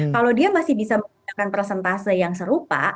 kalau dia masih bisa menerapkan persentase yang serupa